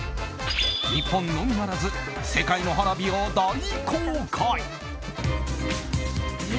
日本のみならず世界の花火を大公開。